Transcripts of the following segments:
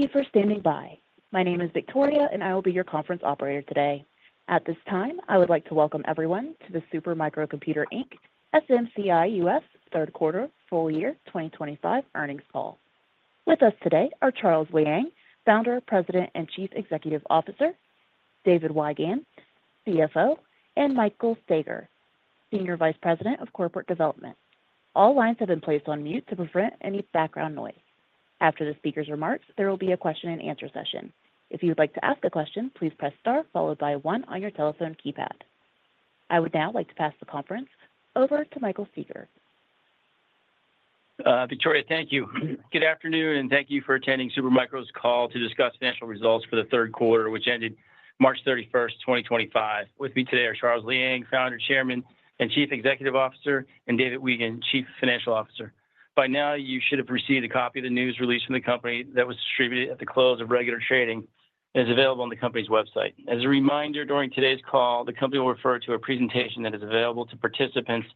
Thank you for standing by. My name is Victoria, and I will be your conference operator today. At this time, I would like to welcome everyone to the Super Micro Computer, Inc. SMCI DLC-2. Third Quarter Full Year 2025 Earnings Call. With us today are Charles Liang, Founder/President and Chief Executive Officer; David Weigand, CFO; and Michael Staiger, Senior Vice President of Corporate Development. All lines have been placed on mute to prevent any background noise. After the speaker's remarks, there will be a question-and-answer session. If you would like to ask a question, please press star followed by one on your telephone keypad. I would now like to pass the conference over to Michael Staiger. Victoria, thank you. Good afternoon, and thank you for attending Super Micro's call to discuss financial results for the third quarter, which ended March 31st, 2025. With me today are Charles Liang, Founder/Chairman and Chief Executive Officer, and David Weigand, Chief Financial Officer. By now, you should have received a copy of the news release from the company that was distributed at the close of regular trading and is available on the company's website. As a reminder, during today's call, the company will refer to a presentation that is available to participants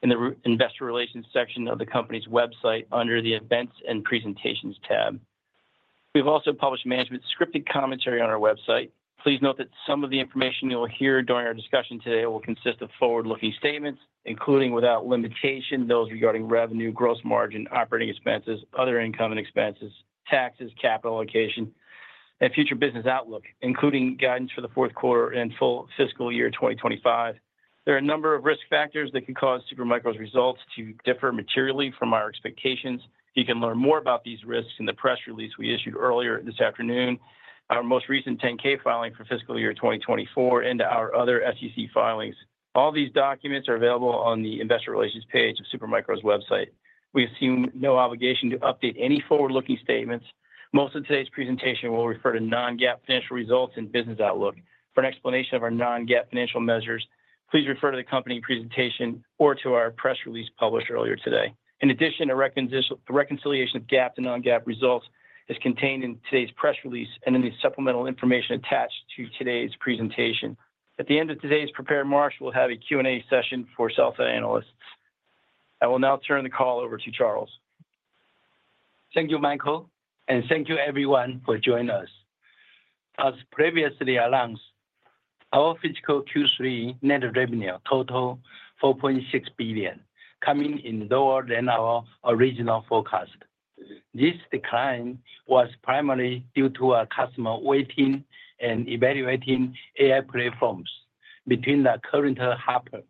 in the investor relations section of the company's website under the Events and Presentations tab. We have also published management's scripted commentary on our website. Please note that some of the information you'll hear during our discussion today will consist of forward-looking statements, including without limitation those regarding revenue, gross margin, operating expenses, other income and expenses, taxes, capital allocation, and future business outlook, including guidance for the fourth quarter and full fiscal year 2025. There are a number of risk factors that can cause Super Micro's results to differ materially from our expectations. You can learn more about these risks in the press release we issued earlier this afternoon, our most recent 10-K filing for fiscal year 2024, and our other SEC filings. All these documents are available on the investor relations page of Super Micro's website. We assume no obligation to update any forward-looking statements. Most of today's presentation will refer to non-GAAP financial results and business outlook. For an explanation of our non-GAAP financial measures, please refer to the company presentation or to our press release published earlier today. In addition, a reconciliation of GAAP to non-GAAP results is contained in today's press release and in the supplemental information attached to today's presentation. At the end of today's prepared remarks, we'll have a Q&A session for self-analysts. I will now turn the call over to Charles. Thank you, Michael, and thank you everyone for joining us. As previously announced, our fiscal Q3 net revenue totaled $4.6 billion, coming in lower than our original forecast. This decline was primarily due to our customers waiting and evaluating AI platforms between the current Hopper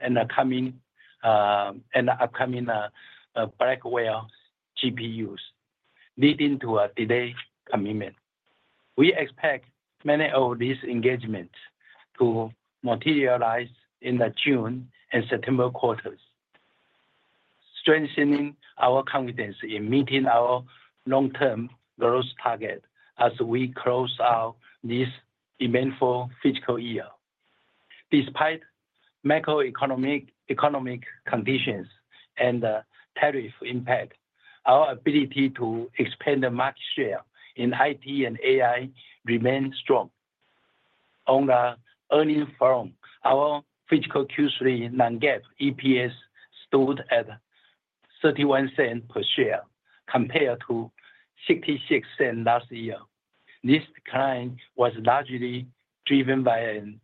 and the upcoming Blackwell GPUs, leading to a delayed commitment. We expect many of these engagements to materialize in the June and September quarters, strengthening our confidence in meeting our long-term growth target as we close out this eventful fiscal year. Despite macroeconomic conditions and tariff impacts, our ability to expand the market share in IT and AI remains strong. On the earnings front, our fiscal Q3 non-GAAP EPS stood at $0.31 per share, compared to $0.66 last year. This decline was largely driven by an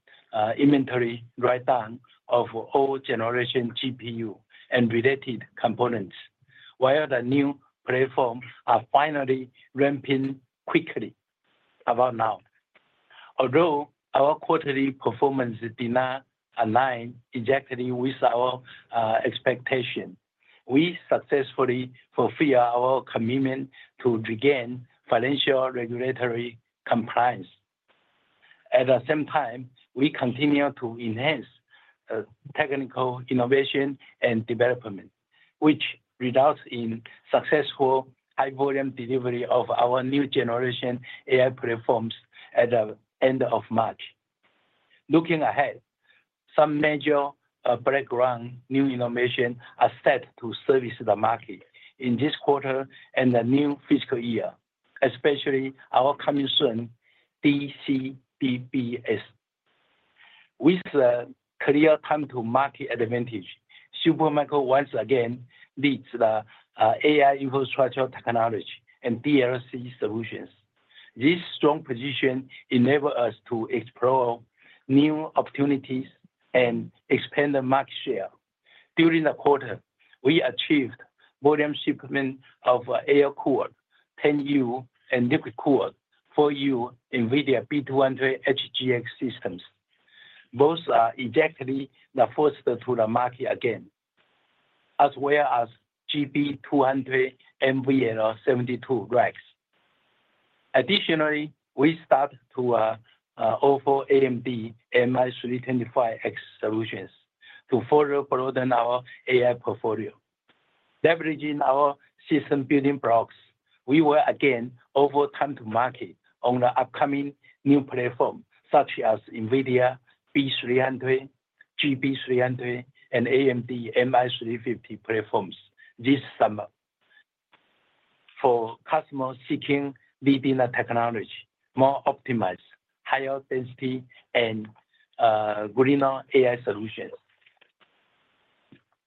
inventory write-down of old-generation GPU and related components, while the new platforms are finally ramping quickly. Although our quarterly performance did not align exactly with our expectations, we successfully fulfilled our commitment to regain financial regulatory compliance. At the same time, we continue to enhance technical innovation and development, which results in successful high-volume delivery of our new generation AI platforms at the end of March. Looking ahead, some major breadcrumb new innovations are set to service the market in this quarter and the new fiscal year, especially our coming soon. With a clear time-to-market advantage, Super Micro once again leads the AI infrastructure technology and DLC solutions. This strong position enables us to explore new opportunities and expand the market share. During the quarter, we achieved volume shipment of air-cooled 10U and liquid-cooled 4U, NVIDIA B200 HGX systems. Both are exactly the first to the market again, as well as GB200 NVL72 racks. Additionally, we started to offer AMD MI325X solutions to further broaden our AI portfolio. Leveraging our system building blocks, we will again offer time-to-market on the upcoming new platforms, such as NVIDIA B300, GB300, and AMD MI350 platforms this summer for customers seeking leading the technology, more optimized, higher density, and greener AI solutions.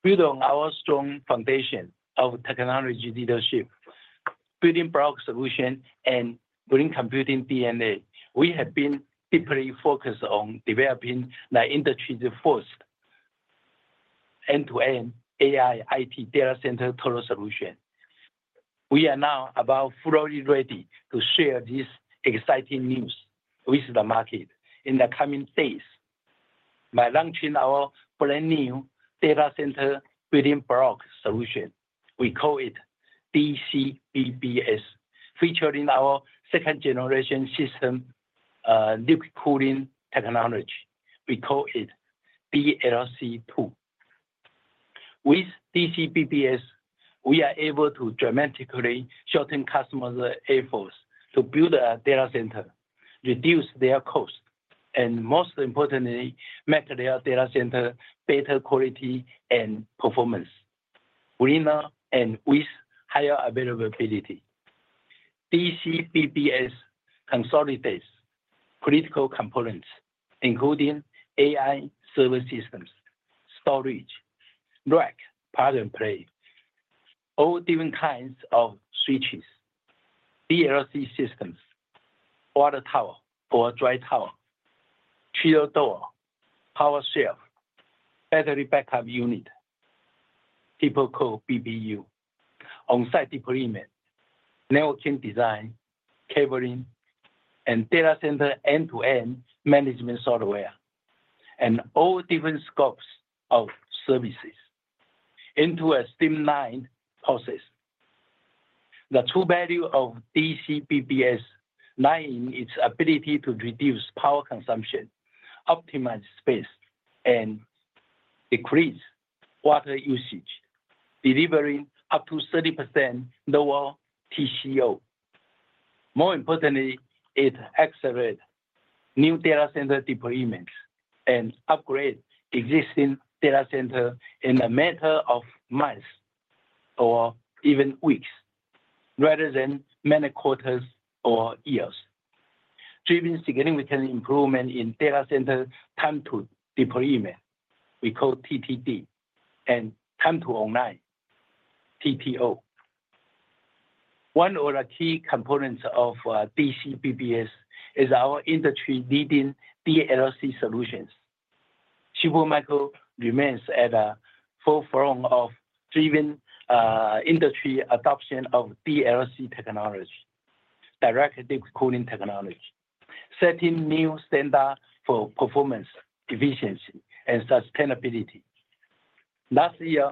Building on our strong foundation of technology leadership, building block solution, and green computing DNA, we have been deeply focused on developing the industry's first end-to-end AI IT data center total solution. We are now about fully ready to share this exciting news with the market in the coming days by launching our brand new data center building block solution. We call it DCBBS, featuring our 2nd-generation system liquid cooling technology. We call it DLC-2. With DCBBS, we are able to dramatically shorten customers' efforts to build a data center, reduce their cost, and most importantly, make their data center better quality and performance, greener and with higher availability. DCBBS consolidates critical components, including AI server systems, storage, rack, power and play, all different kinds of switches, DLC systems, water tower or dry tower, chilled door, power shelf, battery backup unit, people call BBU, on-site deployment, networking design, cabling, and data center end-to-end management software, and all different scopes of services into a streamlined process. The true value of DCBBS lies in its ability to reduce power consumption, optimize space, and decrease water usage, delivering up to 30% lower TCO. More importantly, it accelerates new data center deployments and upgrades existing data centers in a matter of months or even weeks, rather than many quarters or years, driving significant improvements in data center time-to-deployment, we call TTD, and time-to-online, TTO. One of the key components of DCBBS is our industry-leading DLC solutions. Super Micro remains at the forefront of driving industry adoption of DLC technology, direct liquid cooling technology, setting new standards for performance, efficiency, and sustainability. Last year,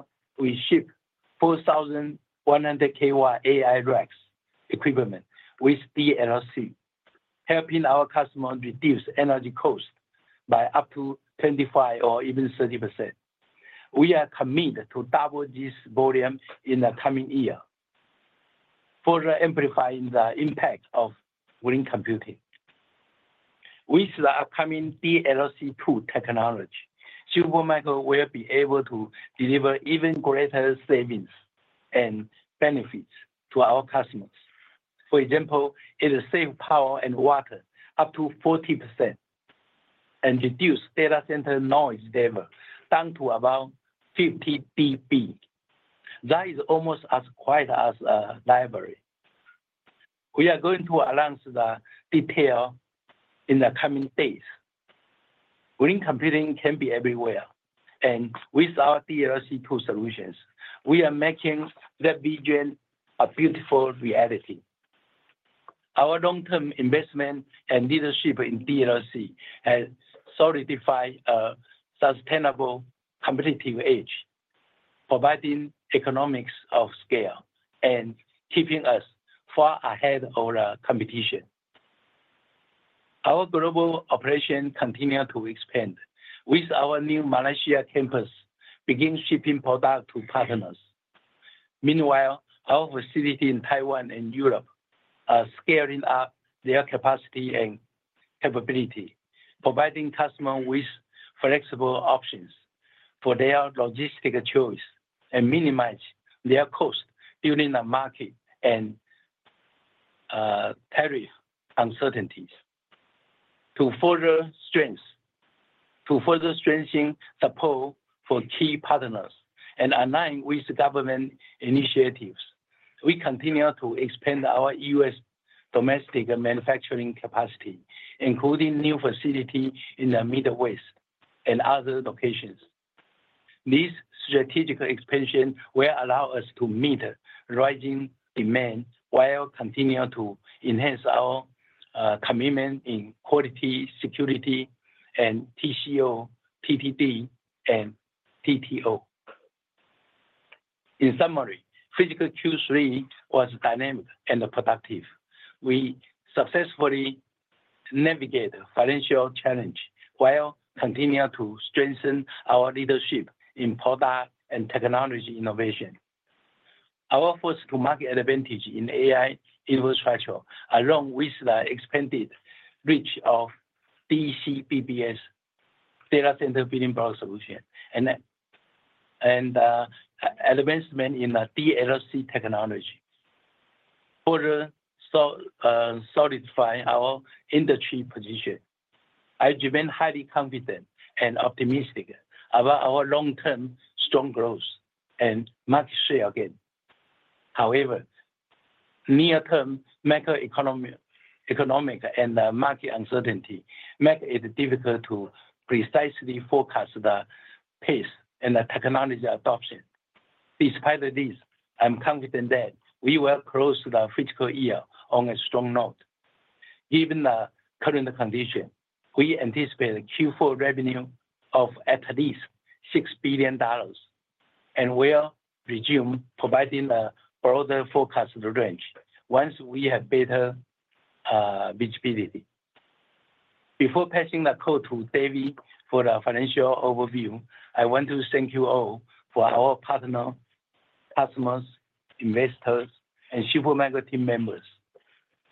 we shipped 4,100 kW AI racks equipment with DLC, helping our customers reduce energy costs by up to 25% or even 30%. We are committed to double this volume in the coming year, further amplifying the impact of green computing. With the upcoming DLC-2 technology, Super Micro will be able to deliver even greater savings and benefits to our customers. For example, it will save power and water up to 40% and reduce data center noise level down to about 50 dB. That is almost as quiet as a library. We are going to announce the details in the coming days. Green computing can be everywhere, and with our DLC-2 solutions, we are making that vision a beautiful reality. Our long-term investment and leadership in DLC has solidified a sustainable competitive edge, providing economics of scale and keeping us far ahead of the competition. Our global operation continues to expand. With our new Malaysia campus, we begin shipping products to partners. Meanwhile, our facilities in Taiwan and Europe are scaling up their capacity and capability, providing customers with flexible options for their logistical choice and minimizing their costs during the market and tariff uncertainties. To further strengthen support for key partners and align with government initiatives, we continue to expand our U.S. domestic manufacturing capacity, including new facilities in the Midwest and other locations. This strategic expansion will allow us to meet rising demand while continuing to enhance our commitment in quality, security, and TCO, TTD, and TTO. In summary, fiscal Q3 was dynamic and productive. We successfully navigated financial challenges while continuing to strengthen our leadership in product and technology innovation. Our first-to-market advantage in AI infrastructure, along with the expanded reach of DCBBS data center building block solutions and advancement in the DLC technology, further solidified our industry position. I remain highly confident and optimistic about our long-term strong growth and market share again. However, near-term macroeconomic and market uncertainty make it difficult to precisely forecast the pace and the technology adoption. Despite this, I'm confident that we will close the fiscal year on a strong note. Given the current condition, we anticipate Q4 revenue of at least $6 billion, and we'll resume providing a broader forecast range once we have better visibility. Before passing the call to David for the financial overview, I want to thank you all for our partners, customers, investors, and Super Micro team members,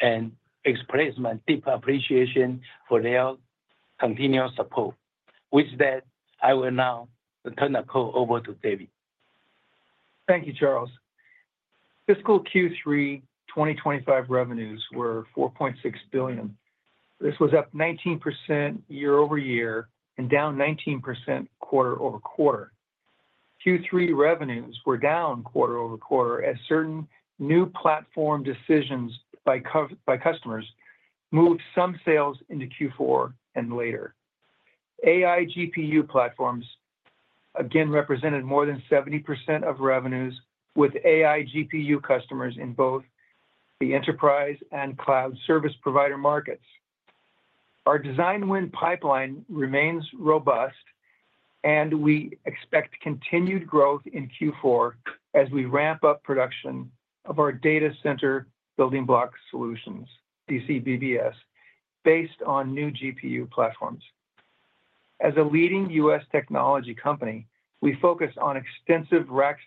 and express my deep appreciation for their continued support. With that, I will now turn the call over to David. Thank you, Charles. Fiscal Q3 2025 revenues were $4.6 billion. This was up 19% year-over-year and down 19% quarter-over-quarter. Q3 revenues were down quarter-over-quarter as certain new platform decisions by customers moved some sales into Q4 and later. AI GPU platforms again represented more than 70% of revenues, with AI GPU customers in both the enterprise and cloud service provider markets. Our design win pipeline remains robust, and we expect continued growth in Q4 as we ramp up production of our data center building block solutions, DCBBS, based on new GPU platforms. As a leading U.S.. Technology company, we focus on extensive rack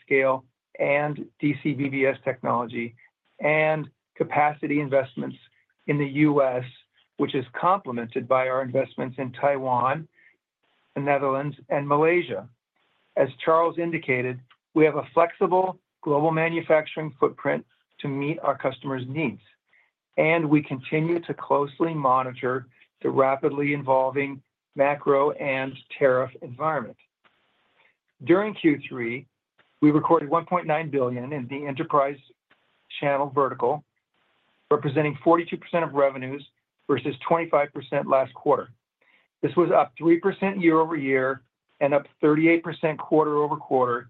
scale and DCBBS technology and capacity investments in the U.S., which is complemented by our investments in Taiwan, the Netherlands, and Malaysia. As Charles indicated, we have a flexible global manufacturing footprint to meet our customers' needs, and we continue to closely monitor the rapidly evolving macro and tariff environment. During Q3, we recorded $1.9 billion in the enterprise channel vertical, representing 42% of revenues versus 25% last quarter. This was up 3% year-over-year and up 38% quarter-over-quarter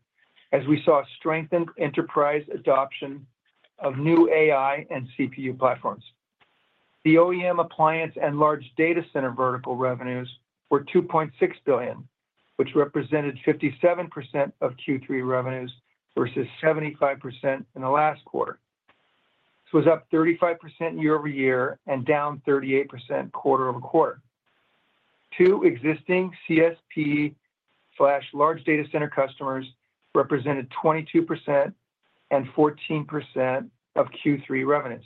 as we saw strengthened enterprise adoption of new AI and CPU platforms. The OEM, appliance, and large data center vertical revenues were $2.6 billion, which represented 57% of Q3 revenues versus 75% in the last quarter. This was up 35% year-over-year and down 38% quarter-over-quarter. Two existing CSP/large data center customers represented 22% and 14% of Q3 revenues.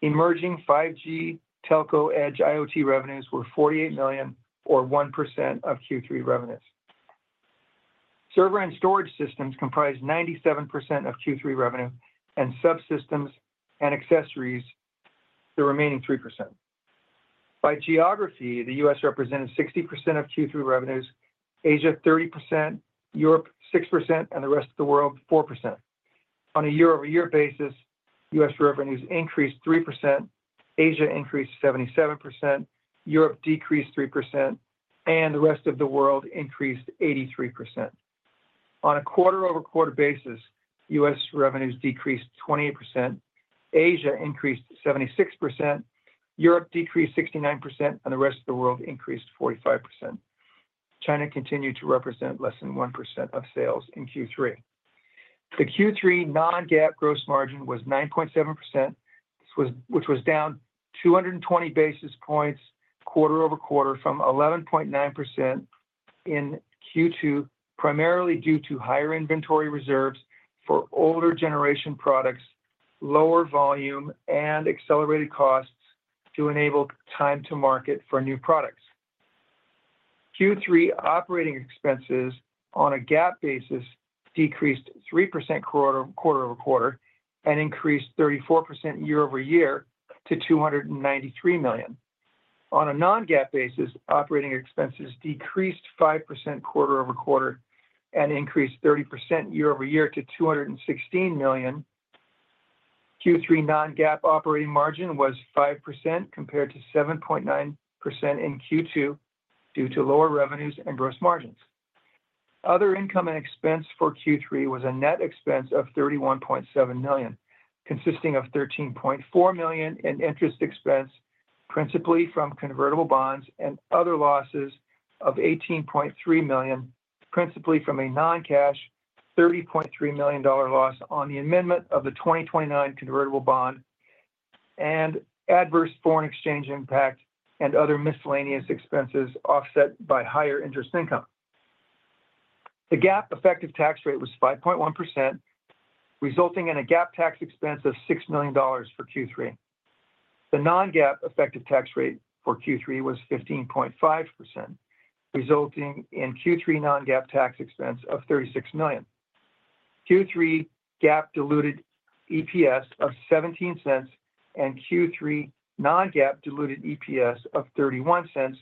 Emerging 5G telco edge IoT revenues were $48 million, or 1% of Q3 revenues. Server and storage systems comprised 97% of Q3 revenue, and subsystems and accessories the remaining 3%. By geography, the U.S. represented 60% of Q3 revenues, Asia 30%, Europe 6%, and the rest of the world 4%. On a year-over-year basis, U.S. revenues increased 3%, Asia increased 77%, Europe decreased 3%, and the rest of the world increased 83%. On a quarter-over-quarter basis, U.S. revenues decreased 28%, Asia increased 76%, Europe decreased 69%, and the rest of the world increased 45%. China continued to represent less than 1% of sales in Q3. The Q3 non-GAAP gross margin was 9.7%, which was down 220 basis points quarter-over-quarter from 11.9% in Q2, primarily due to higher inventory reserves for older generation products, lower volume, and accelerated costs to enable time-to-market for new products. Q3 operating expenses on a GAAP basis decreased 3% quarter-over-quarter and increased 34% year-over-year to $293 million. On a non-GAAP basis, operating expenses decreased 5% quarter-over-quarter and increased 30% year-over-year to $216 million. Q3 non-GAAP operating margin was 5% compared to 7.9% in Q2 due to lower revenues and gross margins. Other income and expense for Q3 was a net expense of $31.7 million, consisting of $13.4 million in interest expense, principally from convertible bonds and other losses of $18.3 million, principally from a non-cash $30.3 million loss on the amendment of the 2029 convertible bond and adverse foreign exchange impact and other miscellaneous expenses offset by higher interest income. The GAAP effective tax rate was 5.1%, resulting in a GAAP tax expense of $6 million for Q3. The non-GAAP effective tax rate for Q3 was 15.5%, resulting in Q3 non-GAAP tax expense of $36 million. Q3 GAAP diluted EPS of $0.17 and Q3 non-GAAP diluted EPS of $0.31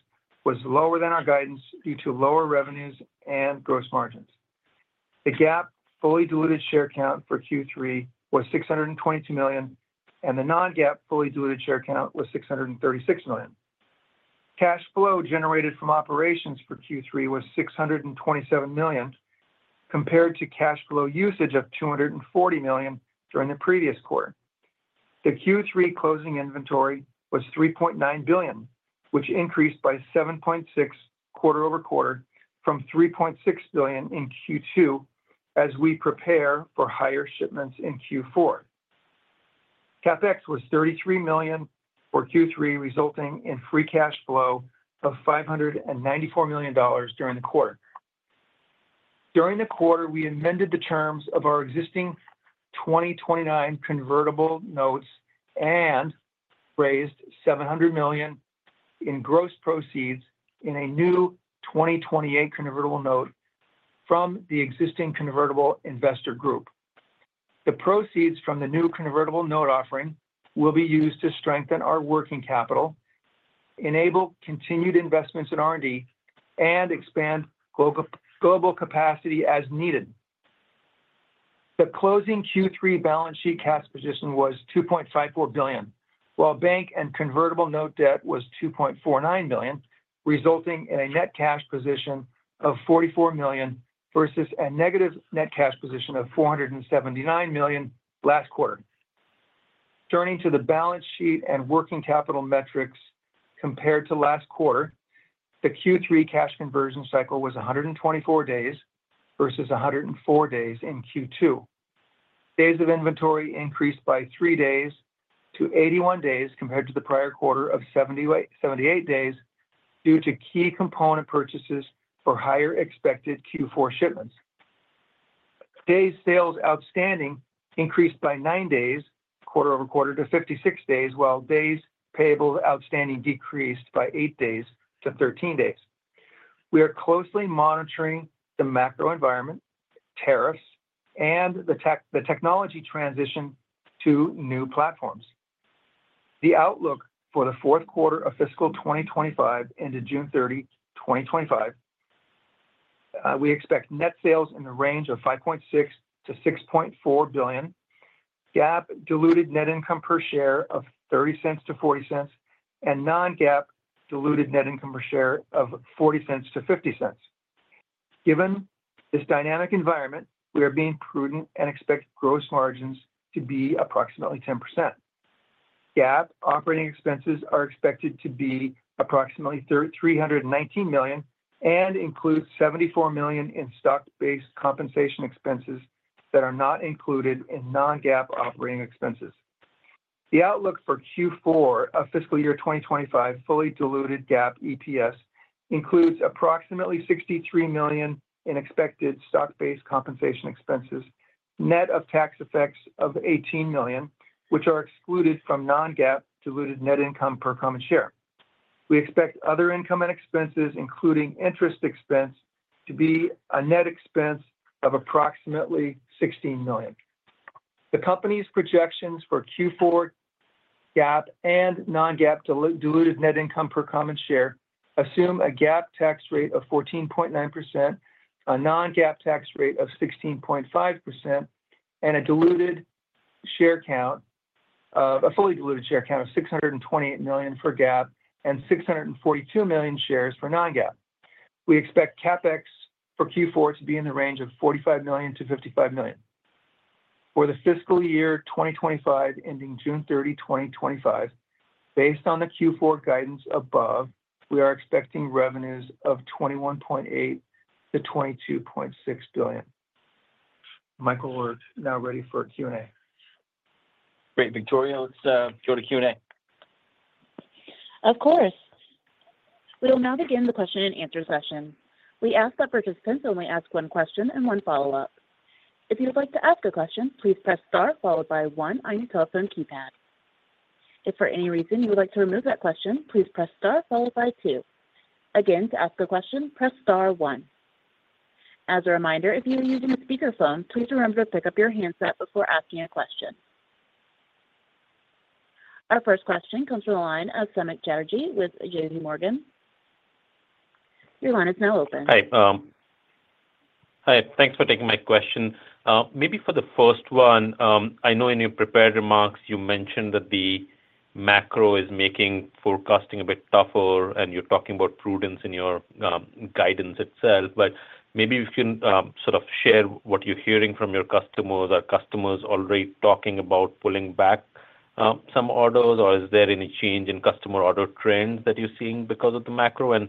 was lower than our guidance due to lower revenues and gross margins. The GAAP fully diluted share count for Q3 was 622 million, and the non-GAAP fully diluted share count was 636 million. Cash flow generated from operations for Q3 was $627 million, compared to cash flow usage of $240 million during the previous quarter. The Q3 closing inventory was $3.9 billion, which increased by 7.6% quarter-over-quarter from $3.6 billion in Q2 as we prepare for higher shipments in Q4. CapEx was $33 million for Q3, resulting in free cash flow of $594 million during the quarter. During the quarter, we amended the terms of our existing 2029 convertible notes and raised $700 million in gross proceeds in a new 2028 convertible note from the existing convertible investor group. The proceeds from the new convertible note offering will be used to strengthen our working capital, enable continued investments in R&D, and expand global capacity as needed. The closing Q3 balance sheet cash position was $2.54 billion, while bank and convertible note debt was $2.49 million, resulting in a net cash position of $44 million versus a negative net cash position of $479 million last quarter. Turning to the balance sheet and working capital metrics compared to last quarter, the Q3 cash conversion cycle was 124 days versus 104 days in Q2. Days of inventory increased by 3 days to 81 days compared to the prior quarter of 78 days due to key component purchases for higher expected Q4 shipments. Days sales outstanding increased by 9 days quarter-over-quarter to 56 days, while days payable outstanding decreased by 8 days to 13 days. We are closely monitoring the macro environment, tariffs, and the technology transition to new platforms. The outlook for the fourth quarter of fiscal 2025 into June 30th, 2025, we expect net sales in the range of $5.6 billion-$6.4 billion, GAAP diluted net income per share of $0.30-$0.40, and non-GAAP diluted net income per share of $0.40-$0.50. Given this dynamic environment, we are being prudent and expect gross margins to be approximately 10%. GAAP operating expenses are expected to be approximately $319 million and include $74 million in stock-based compensation expenses that are not included in non-GAAP operating expenses. The outlook for Q4 of fiscal year 2025 fully diluted GAAP EPS includes approximately $63 million in expected stock-based compensation expenses, net of tax effects of $18 million, which are excluded from non-GAAP diluted net income per common share. We expect other income and expenses, including interest expense, to be a net expense of approximately $16 million. The company's projections for Q4 GAAP and non-GAAP diluted net income per common share assume a GAAP tax rate of 14.9%, a non-GAAP tax rate of 16.5%, and a fully diluted share count of $628 million for GAAP and $642 million shares for non-GAAP. We expect CapEx for Q4 to be in the range of $45 million-$55 million. For the fiscal year 2025 ending June 30th, 2025, based on the Q4 guidance above, we are expecting revenues of $21.8 billion-$22.6 billion. Michael, we're now ready for Q&A. Great. Victoria, let's go to Q&A. Of course. We will now begin the question and answer session. We ask that participants only ask one question and one follow-up. If you would like to ask a question, please press star followed by 1 on your telephone keypad. If for any reason you would like to remove that question, please press star followed by 2. Again, to ask a question, press star 1. As a reminder, if you are using a speakerphone, please remember to pick up your handset before asking a question. Our first question comes from the line of Samik Chatterjee with JPMorgan. Your line is now open. Hi. Hi. Thanks for taking my question. Maybe for the first one, I know in your prepared remarks you mentioned that the macro is making forecasting a bit tougher, and you're talking about prudence in your guidance itself. Maybe you can sort of share what you're hearing from your customers. Are customers already talking about pulling back some orders, or is there any change in customer order trends that you're seeing because of the macro?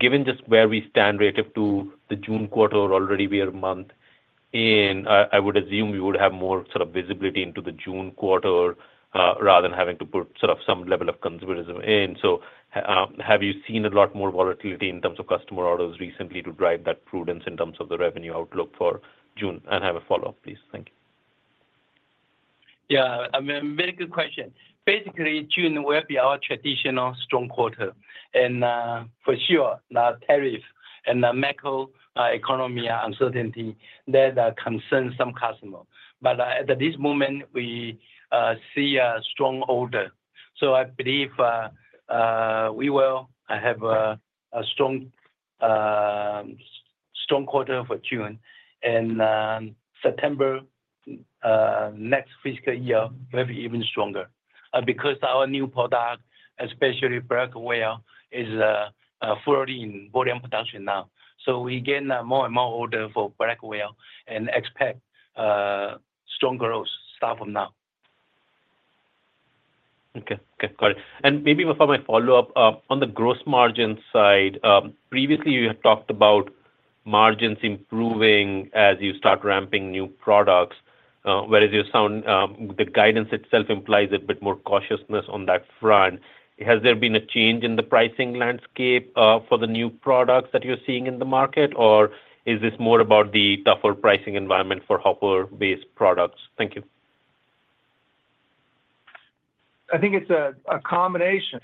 Given just where we stand relative to the June quarter, already we are a month in, I would assume you would have more sort of visibility into the June quarter rather than having to put sort of some level of conservatism in. Have you seen a lot more volatility in terms of customer orders recently to drive that prudence in terms of the revenue outlook for June? I have a follow-up, please. Thank you. Yeah. I mean, very good question. Basically, June will be our traditional strong quarter. For sure, the tariffs and the macro economy uncertainty, that concerns some customers. At this moment, we see a strong order. I believe we will have a strong quarter for June. September next fiscal year will be even stronger because our new product, especially Blackwell, is fully in volume production now. We get more and more orders for Blackwell and expect strong growth start from now. Okay. Got it. Maybe before my follow-up, on the gross margin side, previously you have talked about margins improving as you start ramping new products, whereas the guidance itself implies a bit more cautiousness on that front. Has there been a change in the pricing landscape for the new products that you're seeing in the market, or is this more about the tougher pricing environment for hopper-based products? Thank you. I think it's a combination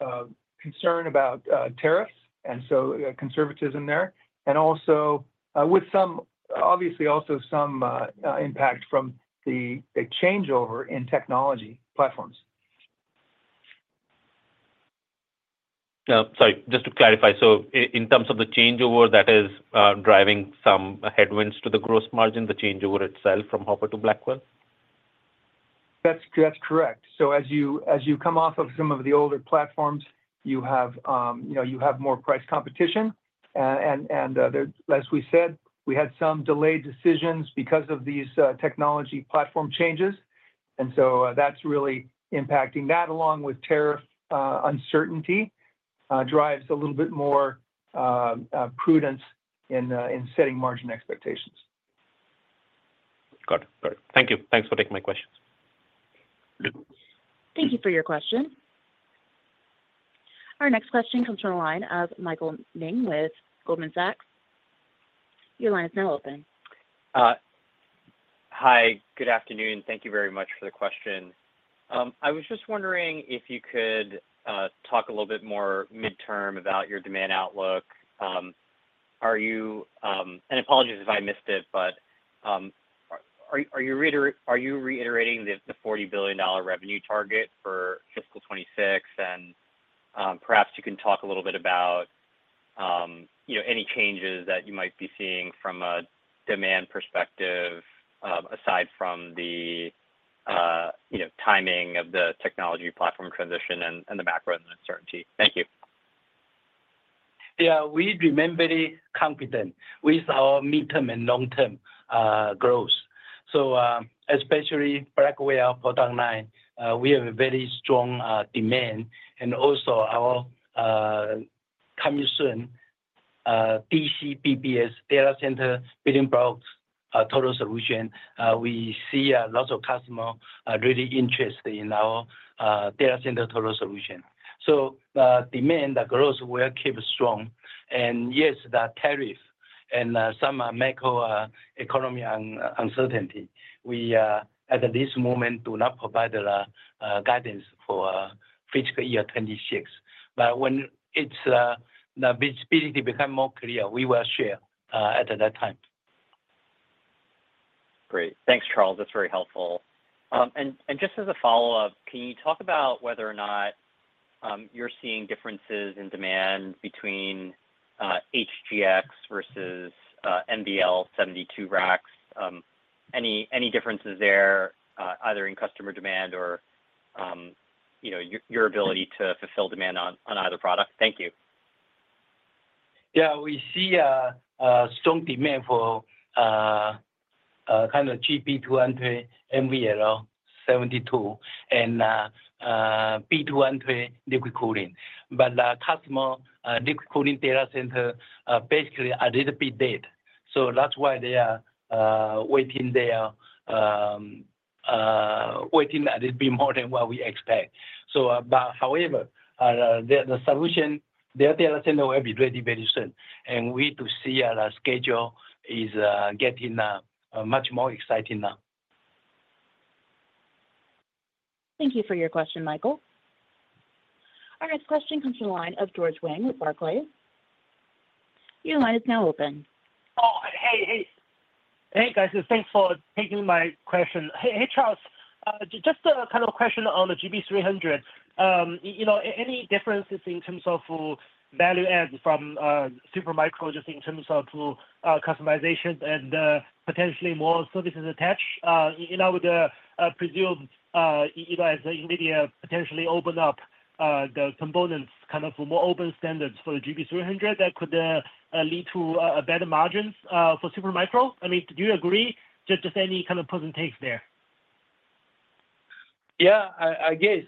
of concern about tariffs and so conservatism there, and also with some, obviously also some impact from the changeover in technology platforms. Sorry. Just to clarify, in terms of the changeover that is driving some headwinds to the gross margin, the changeover itself from hopper to Blackwell? That's correct. As you come off of some of the older platforms, you have more price competition. As we said, we had some delayed decisions because of these technology platform changes. That is really impacting that, along with tariff uncertainty, drives a little bit more prudence in setting margin expectations. Got it. Got it. Thank you. Thanks for taking my questions. Thank you for your question. Our next question comes from the line of Michael Ng with Goldman Sachs. Your line is now open. Hi. Good afternoon. Thank you very much for the question. I was just wondering if you could talk a little bit more midterm about your demand outlook. Apologies if I missed it, but are you reiterating the $40 billion revenue target for fiscal 2026? Perhaps you can talk a little bit about any changes that you might be seeing from a demand perspective aside from the timing of the technology platform transition and the macro uncertainty. Thank you. Yeah. We've been very confident with our midterm and long-term growth. Especially Blackwell product line, we have a very strong demand. Also our commission, DCBBS, Data Center Building Blocks Total Solution, we see lots of customers really interested in our data center total solution. The demand, the growth will keep strong. Yes, the tariff and some macro economy uncertainty, we at this moment do not provide guidance for fiscal year 2026. When the visibility becomes more clear, we will share at that time. Great. Thanks, Charles. That's very helpful. Just as a follow-up, can you talk about whether or not you're seeing differences in demand between HGX versus NVL72 racks? Any differences there, either in customer demand or your ability to fulfill demand on either product? Thank you. Yeah. We see strong demand for kind of GB200 NVL72 and B200 liquid cooling. The customer liquid cooling data center basically a little bit dead. That is why they are waiting there a little bit more than what we expect. However, the solution, their data center will be ready very soon. We need to see the schedule is getting much more exciting now. Thank you for your question, Michael. Our next question comes from the line of George Wang with Barclays. Your line is now open. Oh, hey, hey. Hey, guys. Thanks for taking my question. Hey, Charles. Just a kind of question on the GB300. Any differences in terms of value add from Super Micro just in terms of customization and potentially more services attached? I would presume as NVIDIA potentially open up the components kind of more open standards for the GB300, that could lead to better margins for Super Micro. I mean, do you agree? Just any kind of person takes there. Yeah. I guess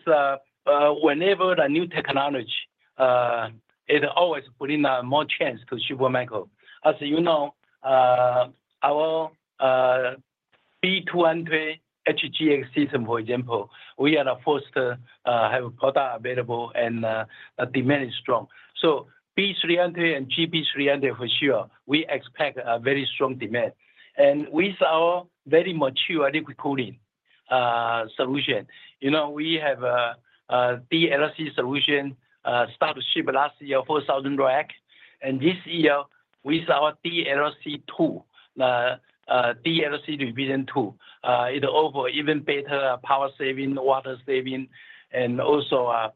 whenever the new technology, it always brings more chance to Super Micro. As you know, our B200 HGX system, for example, we are the first to have a product available, and the demand is strong. B300 and GB300 for sure, we expect a very strong demand. With our very mature liquid cooling solution, we have DLC solution started ship last year, 4,000 racks. This year with our DLC-2, DLC division 2, it offers even better power saving, water saving, and also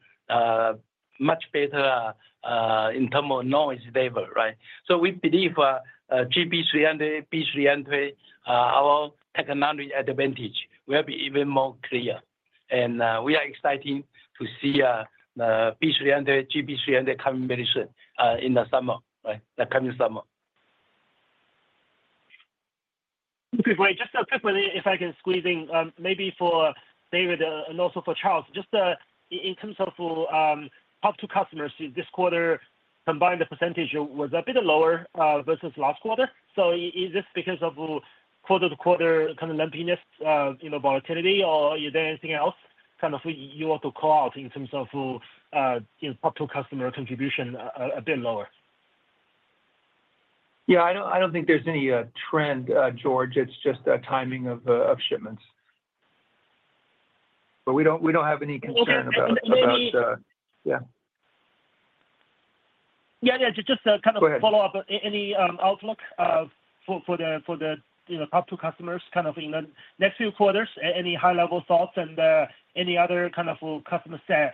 much better in terms of noise level, right? We believe GB300, B300, our technology advantage will be even more clear. We are excited to see the B300, GB300 coming very soon in the summer, right? The coming summer. Okay. Great. Just a quick one, if I can squeeze in, maybe for David and also for Charles. Just in terms of top two customers, this quarter combined percentage was a bit lower versus last quarter. Is this because of quarter-to-quarter kind of lumpiness, volatility, or is there anything else you want to call out in terms of top two customer contribution a bit lower? I don't think there's any trend, George. It's just timing of shipments. We don't have any concern about that. Yeah. Yeah. Yeah. Just a kind of follow-up. Any outlook for the top two customers kind of in the next few quarters? Any high-level thoughts and any other kind of customer set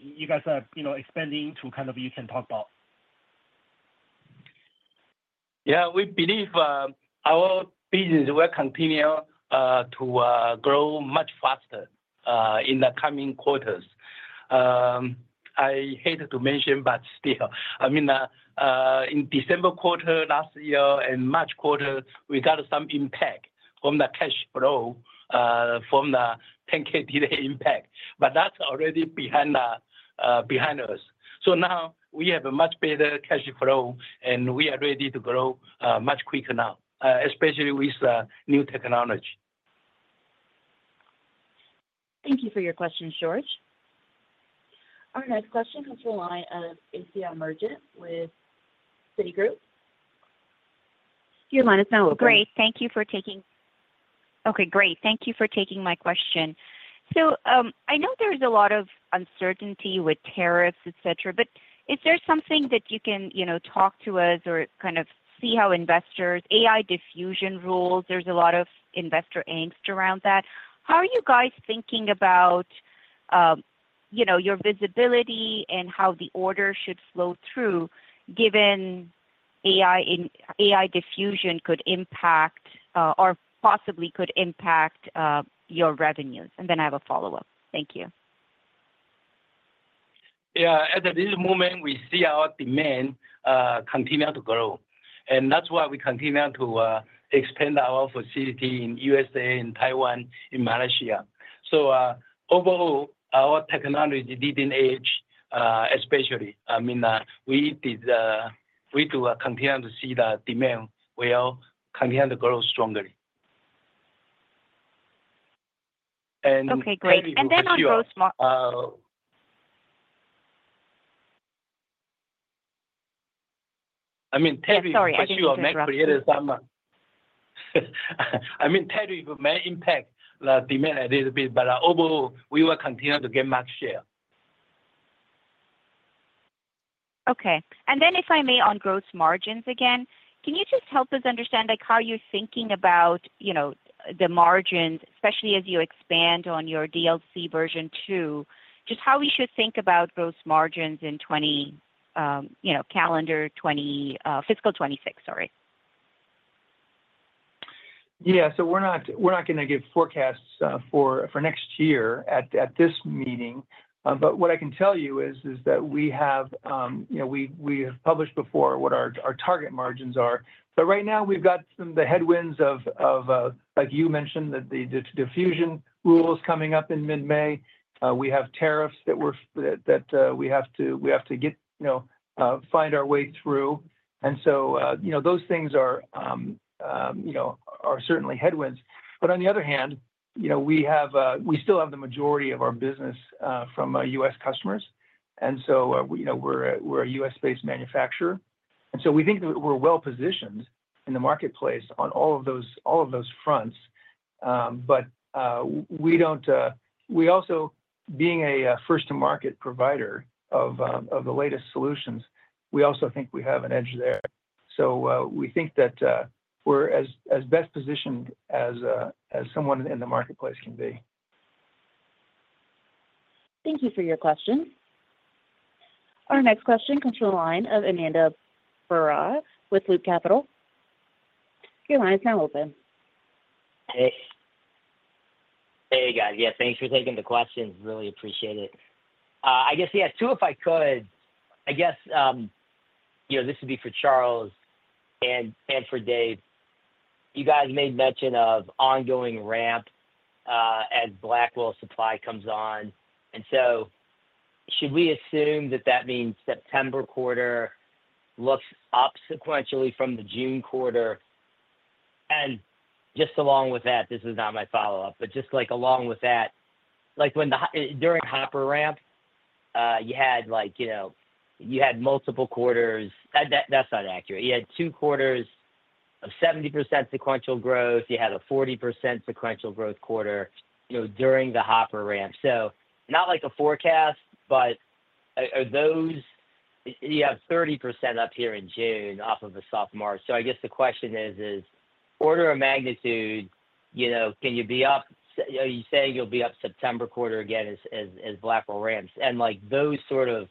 you guys are expanding into kind of you can talk about? Yeah. We believe our business will continue to grow much faster in the coming quarters. I hate to mention, but still. I mean, in December quarter last year and March quarter, we got some impact from the cash flow from the 10K delay impact. But that's already behind us. So now we have a much better cash flow, and we are ready to grow much quicker now, especially with new technology. Thank you for your question, George. Our next question comes from the line of ACI Mergent with Citigroup. Your line is now open. Great. Thank you for taking—okay, great. Thank you for taking my question. I know there's a lot of uncertainty with tariffs, etc., but is there something that you can talk to us or kind of see how investors—AI diffusion rules, there's a lot of investor angst around that. How are you guys thinking about your visibility and how the order should flow through given AI diffusion could impact or possibly could impact your revenues? I have a follow-up. Thank you. Yeah. At this moment, we see our demand continue to grow. That's why we continue to expand our facility in the U.S., Taiwan, and Malaysia. Overall, our technology leading edge, especially, I mean, we do continue to see the demand will continue to grow strongly. Okay, great. On gross margin —I mean, technically, for sure, it may create a summer. I mean, technically, it may impact the demand a little bit, but overall, we will continue to get market share. Okay. If I may, on gross margins again, can you just help us understand how you're thinking about the margins, especially as you expand on your DLC version 2, just how we should think about gross margins in calendar fiscal 2026, sorry? Yeah. We are not going to give forecasts for next year at this meeting. What I can tell you is that we have published before what our target margins are. Right now, we've got some of the headwinds of, like you mentioned, the diffusion rules coming up in mid-May. We have tariffs that we have to find our way through. Those things are certainly headwinds. On the other hand, we still have the majority of our business from U.S. customers. We're a U.S.-based manufacturer. We think that we're well-positioned in the marketplace on all of those fronts. We also, being a first-to-market provider of the latest solutions, think we have an edge there. We think that we're as best positioned as someone in the marketplace can be. Thank you for your question. Our next question comes from the line of Ananda Baruah with Loop Capital. Your line is now open. Hey. Hey, guys. Yeah. Thanks for taking the question. Really appreciate it. I guess, yes, too, if I could, I guess this would be for Charles and for Dave. You guys made mention of ongoing ramp as Blackwell supply comes on. Should we assume that that means September quarter looks up sequentially from the June quarter? Just along with that, this is not my follow-up, but just along with that, during Hopper ramp, you had multiple quarters. That's not accurate. You had two quarters of 70% sequential growth. You had a 40% sequential growth quarter during the Hopper ramp. Not like a forecast, but you have 30% up here in June off of a soft mark. I guess the question is, order of magnitude, can you be up? Are you saying you'll be up September quarter again as Blackwell ramps? Those sort of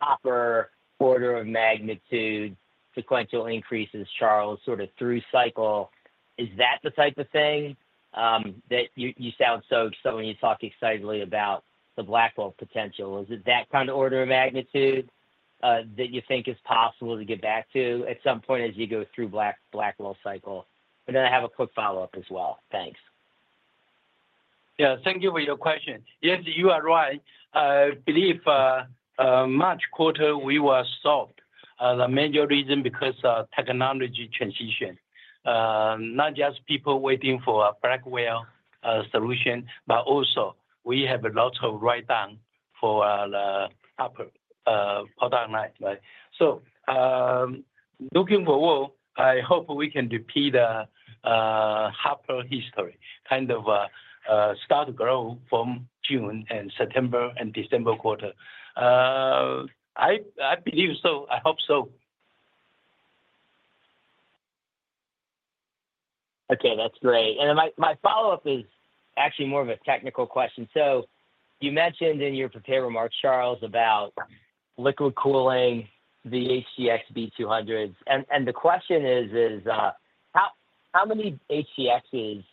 Hopper order of magnitude sequential increases, Charles, sort of through cycle, is that the type of thing that you sound so excited when you talk excitedly about the Blackwell potential? Is it that kind of order of magnitude that you think is possible to get back to at some point as you go through Blackwell cycle? And then I have a quick follow-up as well. Thanks. Yeah. Thank you for your question. Yes, you are right. I believe March quarter, we were stopped. The major reason because of technology transition. Not just people waiting for a Blackwell solution, but also we have a lot of write-down for the Hopper product line. Looking forward, I hope we can repeat the Hopper history, kind of start to grow from June and September and December quarter. I believe so. I hope so. Okay. That's great. My follow-up is actually more of a technical question. You mentioned in your prepared remarks, Charles, about liquid cooling, the HGX B200s. The question is, how many HGX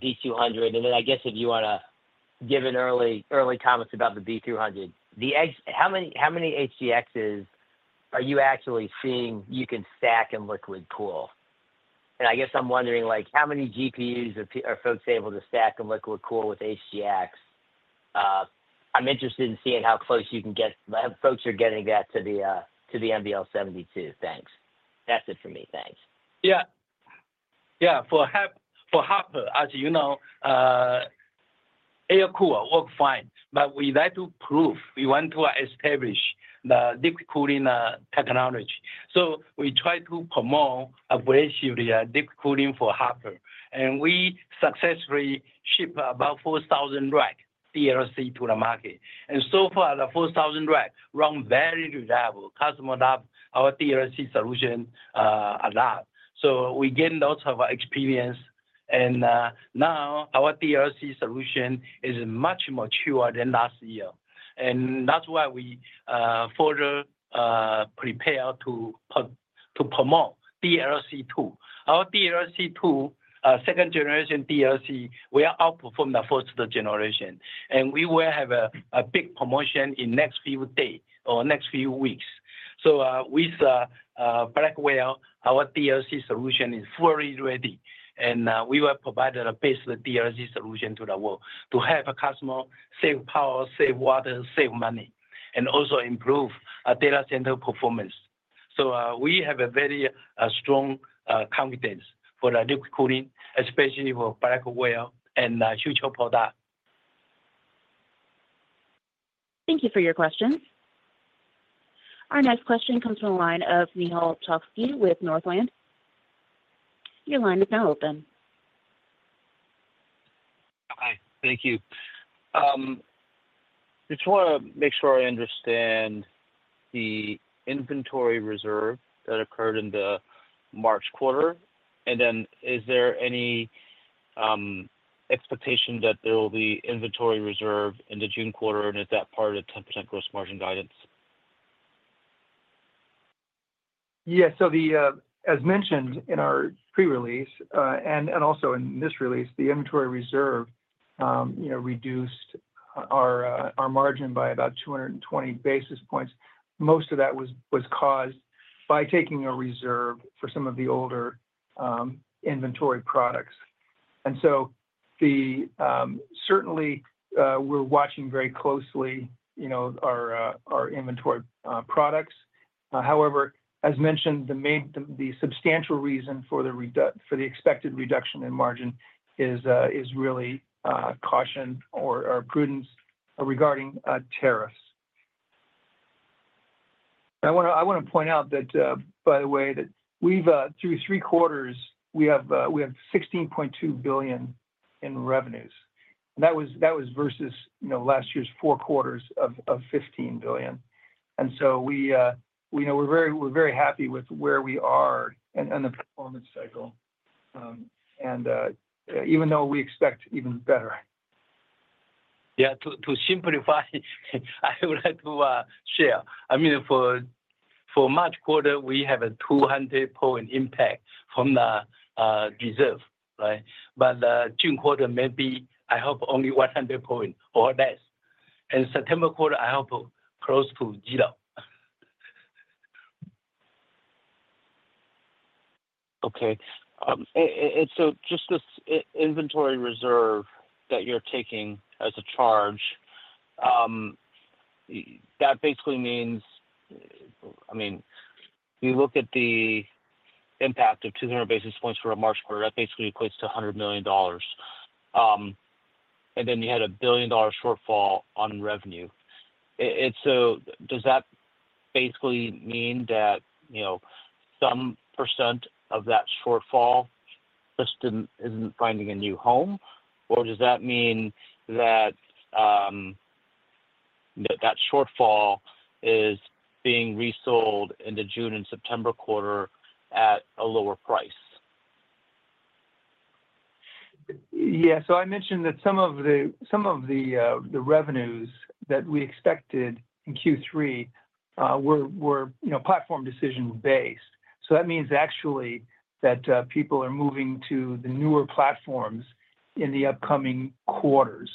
B200? I guess if you want to give an early comment about the B200, how many HGX are you actually seeing you can stack and liquid cool? I guess I'm wondering, how many GPUs are folks able to stack and liquid cool with HGX? I'm interested in seeing how close you can get folks are getting that to the NVL72. Thanks. That's it for me. Thanks. Yeah. Yeah. For Hopper, as you know, air-cooled works fine. We like to prove. We want to establish the liquid cooling technology. We try to promote a very serious liquid cooling for Hopper. We successfully ship about 4,000 racks DLC to the market. So far, the 4,000 racks run very reliable. Customers love our DLC solution a lot. We gained lots of experience. Now our DLC solution is much mature than last year. That's why we further prepare to promote DLC-2. Our DLC-2, 2nd generation DLC, will outperform the first generation. We will have a big promotion in the next few days or next few weeks. With Blackwell, our DLC solution is fully ready. We will provide a basic DLC solution to the world to help customers save power, save water, save money, and also improve our data center performance. We have very strong confidence for the liquid cooling, especially for Blackwell and future products. Thank you for your question. Our next question comes from the line of Nehal Chokshi with Northland. Your line is now open. Hi. Thank you. Just want to make sure I understand the inventory reserve that occurred in the March quarter. Is there any expectation that there will be inventory reserve in the June quarter? Is that part of the 10% gross margin guidance? Yeah. As mentioned in our pre-release and also in this release, the inventory reserve reduced our margin by about 220 basis points. Most of that was caused by taking a reserve for some of the older inventory products. Certainly, we're watching very closely our inventory products. However, as mentioned, the substantial reason for the expected reduction in margin is really caution or prudence regarding tariffs. I want to point out that, by the way, that through three quarters, we have $16.2 billion in revenues. That was versus last year's four quarters of $15 billion. We're very happy with where we are and the performance cycle. Even though we expect even better. Yeah. To simplify, I would like to share. I mean, for March quarter, we have a 200-point impact from the reserve, right? The June quarter may be, I hope, only 100-point or less. September quarter, I hope, close to zero. Okay. Just this inventory reserve that you're taking as a charge, that basically means, I mean, you look at the impact of 200 basis points for a March quarter, that basically equates to $100 million. Then you had a billion-dollar shortfall on revenue. Does that basically mean that some percent of that shortfall just isn't finding a new home? Or does that mean that that shortfall is being resold in the June and September quarter at a lower price? Yeah. I mentioned that some of the revenues that we expected in Q3 were platform decision-based. That means actually that people are moving to the newer platforms in the upcoming quarters,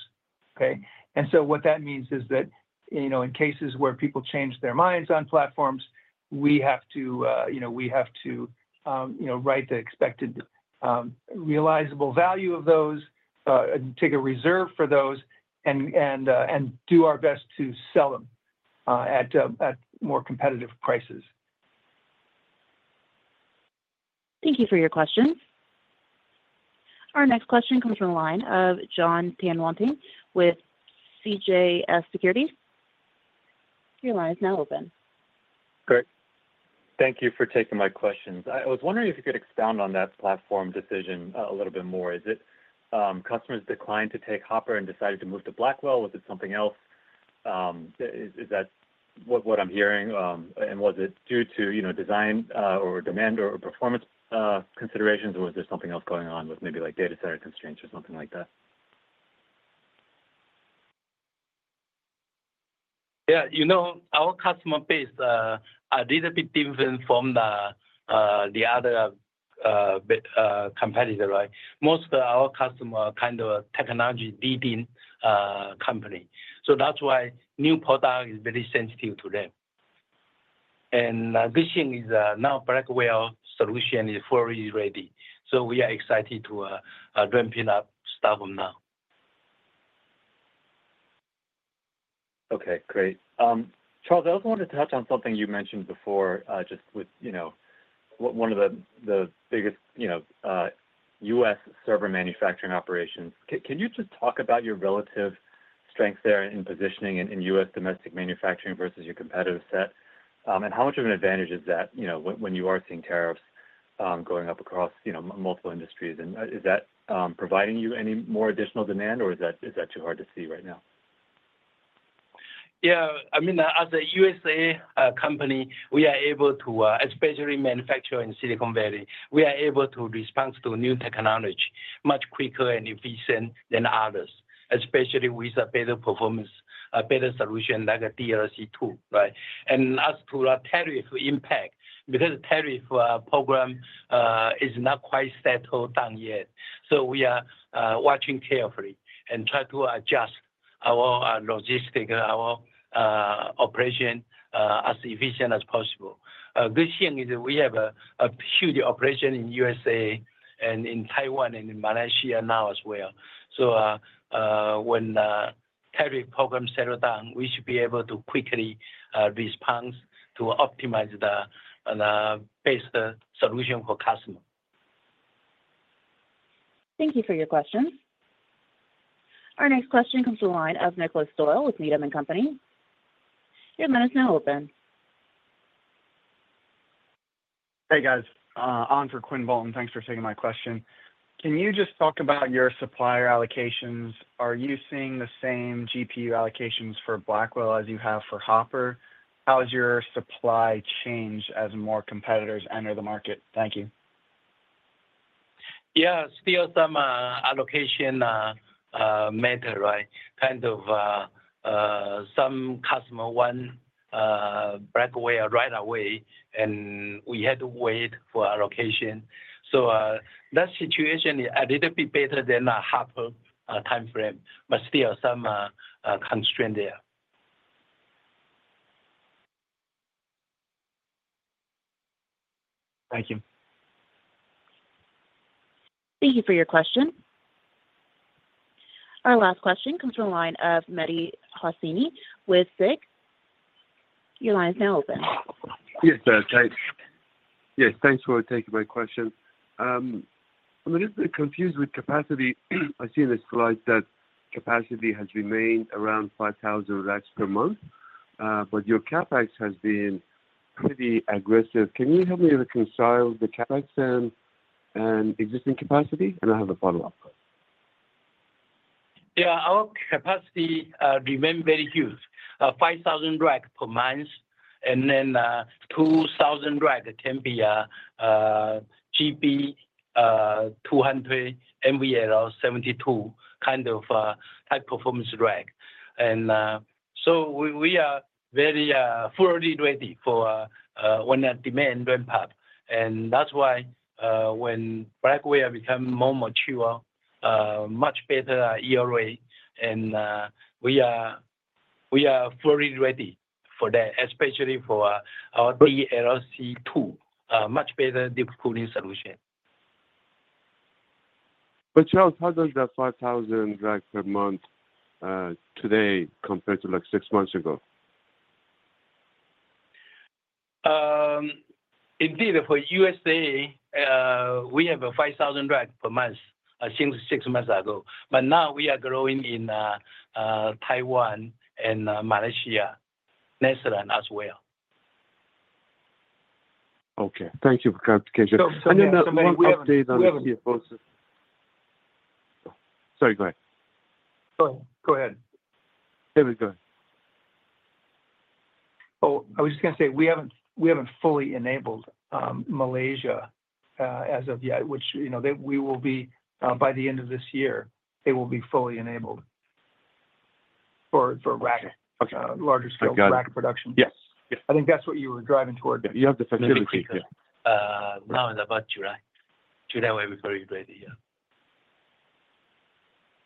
okay? What that means is that in cases where people change their minds on platforms, we have to write the expected realizable value of those and take a reserve for those and do our best to sell them at more competitive prices. Thank you for your question. Our next question comes from the line of Jon Tanwanteng with CJS Securities. Your line is now open. Great. Thank you for taking my questions. I was wondering if you could expound on that platform decision a little bit more. Is it customers declined to take Hopper and decided to move to Blackwell? Was it something else? Is that what I'm hearing? And was it due to design or demand or performance considerations? Or was there something else going on with maybe data center constraints or something like that? Yeah. Our customer base is a little bit different from the other competitor, right? Most of our customers are kind of a technology leading company. That is why new product is very sensitive to them. The good thing is now Blackwell solution is fully ready. We are excited to ramp it up start from now. Okay. Great. Charles, I also wanted to touch on something you mentioned before just with one of the biggest U.S. server manufacturing operations. Can you just talk about your relative strength there in positioning in U.S. domestic manufacturing versus your competitive set? How much of an advantage is that when you are seeing tariffs going up across multiple industries? Is that providing you any more additional demand? Or is that too hard to see right now? Yeah. I mean, as a U.S. company, we are able to, especially manufacturing in Silicon Valley, we are able to respond to new technology much quicker and efficient than others, especially with a better performance, a better solution like a DLC-2, right? As to the tariff impact, because the tariff program is not quite settled down yet. We are watching carefully and try to adjust our logistics, our operation as efficient as possible. The good thing is we have a huge operation in the U.S. and in Taiwan and in Malaysia now as well. When the tariff program settles down, we should be able to quickly respond to optimize the best solution for customers. Thank you for your question. Our next question comes from the line of Nicholas Doyle with Needham & Company. Your line is now open. Hey, guys. On for Quinn Bolton. Thanks for taking my question. Can you just talk about your supplier allocations? Are you seeing the same GPU allocations for Blackwell as you have for Hopper? How has your supply changed as more competitors enter the market? Thank you. Yeah. Still some allocation matter, right? Kind of some customers want Blackwell right away, and we had to wait for allocation. That situation is a little bit better than a Hopper timeframe, but still some constraint there. Thank you. Thank you for your question. Our last question comes from the line of Mehdi Hosseini with SIG. Your line is now open. Yes, thanks. Yes, thanks for taking my question. I'm a little bit confused with capacity. I see in this slide that capacity has remained around 5,000 racks per month, but your CapEx has been pretty aggressive. Can you help me reconcile the CapEx and existing capacity? I have a follow-up. Yeah. Our capacity remains very huge. 5,000 racks per month, and then 2,000 racks can be GB200, NVL72 kind of high-performance rack. We are very fully ready for when the demand ramp up. That is why when Blackwell becomes more mature, much better ERA, and we are fully ready for that, especially for our DLC-2, much better liquid cooling solution. Charles, how does that 5,000 racks per month today compare to six months ago? Indeed, for the U.S., we have 5,000 racks per month since six months ago. Now we are growing in Taiwan and Malaysia, Netherlands as well. Okay. Thank you for clarification. The main update on CFOs. Sorry, go ahead. Go ahead. There we go. Oh, I was just going to say we haven't fully enabled Malaysia as of yet, which we will be by the end of this year. They will be fully enabled for larger scale rack production. Yes. I think that's what you were driving toward. You have the facility. Now is about July. July will be very ready, yeah.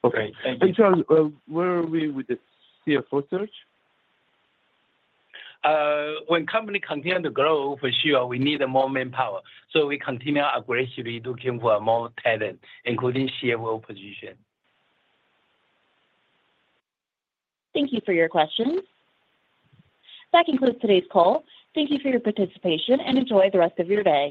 Okay. And Charles, where are we with the CFO search? When companies continue to grow, for sure, we need more manpower. So we continue aggressively looking for more talent, including CFO positions. Thank you for your questions. That concludes today's call. Thank you for your participation and enjoy the rest of your day.